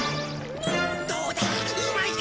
どうだうまいか？